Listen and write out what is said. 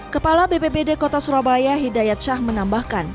kepala bpbd kota surabaya hidayat syah menambahkan